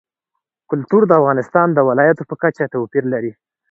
کلتور د افغانستان د ولایاتو په کچه توپیر لري.